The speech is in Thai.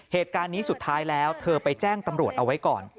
เหตุการณ์นี้สุดท้ายแล้วเธอไปแจ้งตำรวจเอาไว้ก่อน